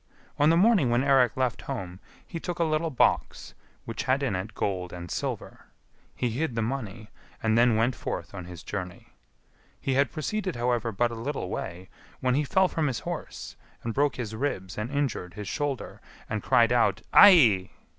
On the morning when Eirik left home he took a little box, which had in it gold and silver; he hid the money, and then went forth on his journey. He had proceeded, however, but a little way, when he fell from his horse, and broke his ribs and injured his shoulder, and cried out, "Aiai!"